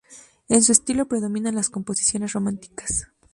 En su estilo predominan las composiciones románticas.